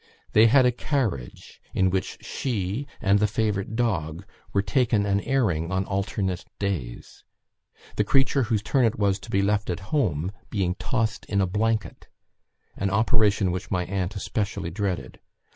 They had a carriage, in which she and the favourite dog were taken an airing on alternate days; the creature whose turn it was to be left at home being tossed in a blanket an operation which my aunt especially dreaded.